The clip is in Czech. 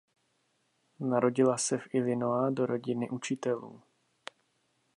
Narodila se v Illinois do rodiny učitelů.